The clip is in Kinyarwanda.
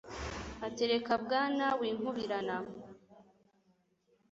Ati Reka Bwana winkubirana